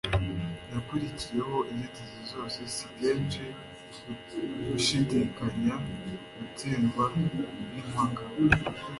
yakuyeho inzitizi zose. Si kenshi gushidikanya gutsindwa n'impaka.